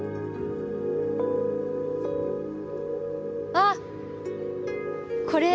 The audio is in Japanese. あっこれ！